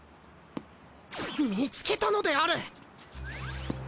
見つけたのである！